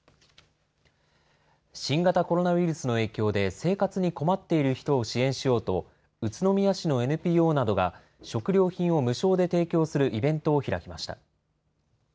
新型コロナウイルスの影響で、生活に困っている人を支援しようと、宇都宮市のＮＰＯなどが食料品を無償で提供するイベントを開きました。